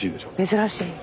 珍しい。